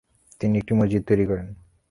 তিনি একটি মসজিদ তৈরী করেন।